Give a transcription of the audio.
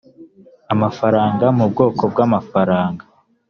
amafaranga mu bwoko bw amafaranga